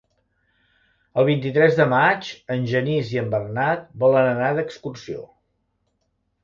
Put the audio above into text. El vint-i-tres de maig en Genís i en Bernat volen anar d'excursió.